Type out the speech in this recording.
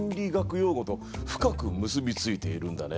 用語と深く結びついているんだね。